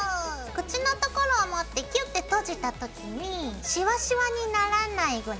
口のところを持ってキュって閉じた時にしわしわにならないぐらいまで。